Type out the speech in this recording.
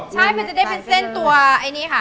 ใช่มันจะได้เป็นเส้นตัวไอ้นี่ค่ะ